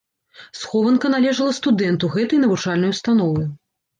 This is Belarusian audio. Схованка належала студэнту гэтай навучальнай установы.